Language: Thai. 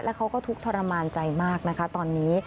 เขาก็ทุกข์ทรมานใจมากนะคะตอนนี้